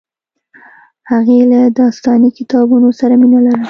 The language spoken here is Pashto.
هغې له داستاني کتابونو سره مینه لرله